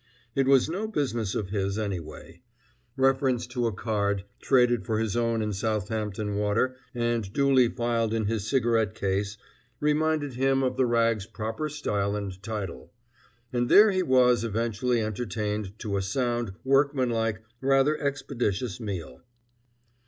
It was no business of his, anyway. Reference to a card, traded for his own in Southampton Water, and duly filed in his cigarette case, reminded him of the Rag's proper style and title. And there he was eventually entertained to a sound, workmanlike, rather expeditious meal.